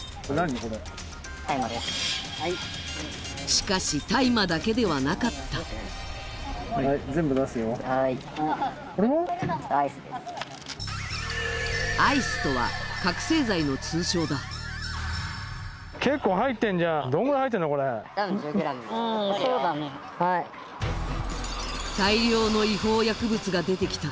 しかし大麻だけではなかったアイスとは覚醒剤の通称だが出てきた